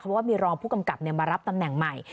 เพราะว่ามีรองผู้กำกับมารับตำแหน่งใหม่